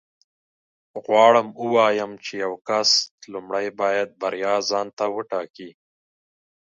غواړم ووایم چې یو کس لومړی باید بریا ځان ته وټاکي